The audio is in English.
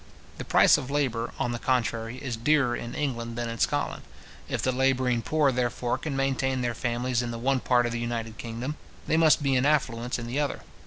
The price of labour, on the contrary, is dearer in England than in Scotland. If the labouring poor, therefore, can maintain their families in the one part of the united kingdom, they must be in affluence in the other.